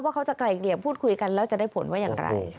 เขาจะไกล่เกลี่ยงพูดคุยกันแล้วจะได้ผลว่าอย่างไร